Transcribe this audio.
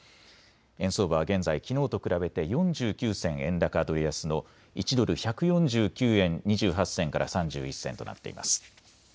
円相場は現在きのうと比べて４９銭円高ドル安の１ドル１４９円２８銭から３１銭となっています。